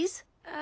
あ。